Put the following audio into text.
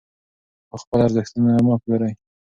خو خپل ارزښتونه مه پلورئ.